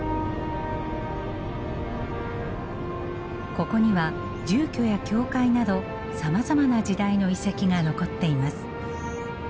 ここには住居や教会などさまざまな時代の遺跡が残っています。